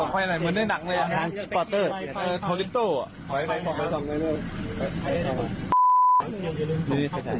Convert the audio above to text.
เหมือนในหนังเลยอ่ะทอลิปโต้อ่ะ